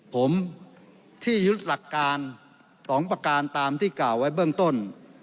ผมที่ยึดหลักการ๒ประการตามที่กล่าวไว้เบื้องต้น